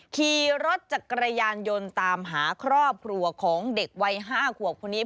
ขี่รถจักรยานยนต์ตามหาครอบครัวของเด็กวัย๕ขวบคนนี้